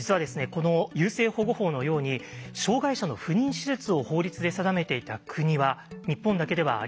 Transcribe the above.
この優生保護法のように障害者の不妊手術を法律で定めていた国は日本だけではありません。